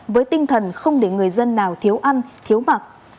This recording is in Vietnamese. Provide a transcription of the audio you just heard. với tinh thần không để người dân nào thiếu ăn thiếu mặc